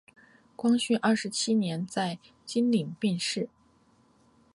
光绪二十七年在经岭病逝。